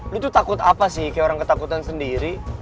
lu tuh takut apa sih kayak orang ketakutan sendiri